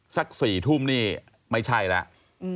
สัก๔ทุ่มนี่ไม่ใช่แล้ว